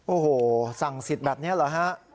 โอ้โหสั่งสิทธิ์แบบนี้เหรอฮะ